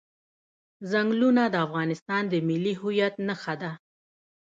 ځنګلونه د افغانستان د ملي هویت نښه ده.